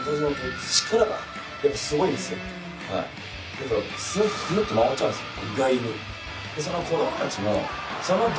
だからくるっと回っちゃうんですよ